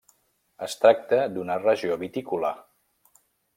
Es tracta d'una regió vitícola.